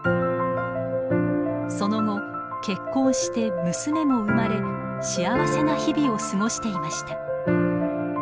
その後結婚して娘も生まれ幸せな日々を過ごしていました。